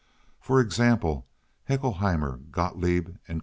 For example, Haeckelheimer, Gotloeb & Co.